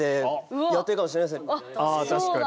あ確かに。